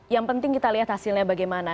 yang penting kita lihat hasilnya bagaimana